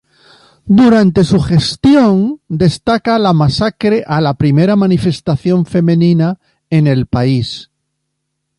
Durante su gestión, destaca la masacre a la primera manifestación femenina en el país.